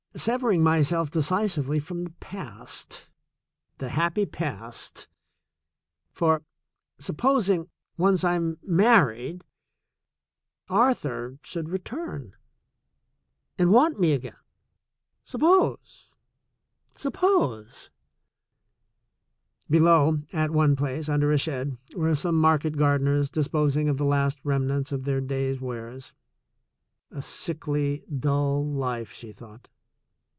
"Severing my self decisively from the past — the happy past — for supposing, once I am married, Arthur should return and want me again — suppose ! Suppose !" Below at one place, under a shed, were some mar ket gardeners disposing of the last remnants of their 58 THE SECOND CHOICE 'v*s wares — a sickly, dull life, she thought.